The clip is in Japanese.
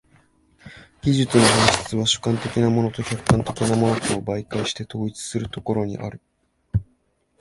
技術の本質は主観的なものと客観的なものとを媒介して統一するところにある。